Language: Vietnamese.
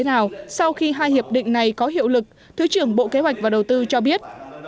nào sau khi hai hiệp định này có hiệu lực thứ trưởng bộ kế hoạch và đầu tư cho biết